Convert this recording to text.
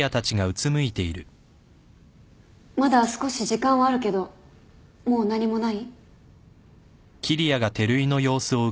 まだ少し時間はあるけどもう何もない？